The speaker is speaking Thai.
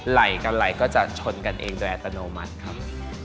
ไหล่กันไหลก็จะชนกันเองโดยอัตโนมัติครับ